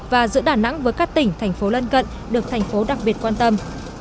và giữa đà nẵng với các tỉnh thành phố lân cận được thành phố đặc biệt quan tâm